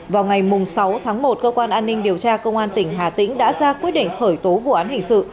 vào ngày sáu tháng một cơ quan an ninh điều tra công an tỉnh hà tĩnh đã ra quyết định khởi tố vụ án hình sự